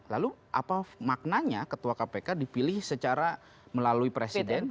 lalu apa maknanya ketua kpk dipilih secara melalui presiden